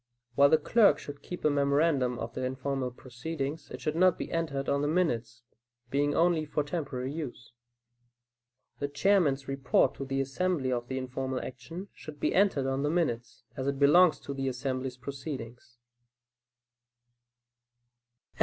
While the clerk should keep a memorandum of the informal proceedings, it should not be entered on the minutes, being only for temporary use. The Chairman's report to the assembly of the informal action, should be entered on the minutes, as it belongs to the assembly's proceedings.